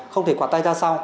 không thể quạt tay ra sau